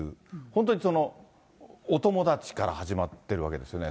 本当にお友達から始まってるわけですよね。